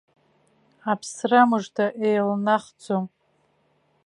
Аԥсра мыжда еилнахӡом.